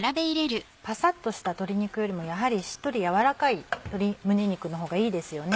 パサっとした鶏肉よりもやはりしっとり軟らかい鶏胸肉の方がいいですよね。